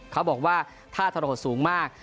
เขาบอกว่าท่าทะโรหดสูงมาก